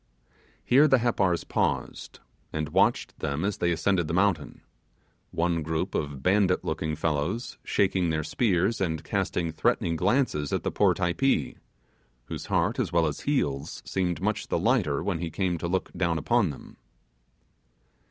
Here the Happars paused and watched them as they ascended the mountain, one group of bandit looking fellows, shaking their spears and casting threatening glances at the poor Typee, whose heart as well as heels seemed much the lighter when he came to look down upon them.